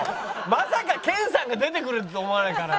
まさか研さんが出てくると思わないから。